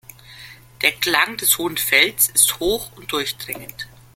Der Klang des hohen Fells ist hoch und durchdringend.